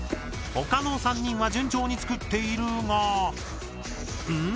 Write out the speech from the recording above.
他の３人は順調に作っているがん？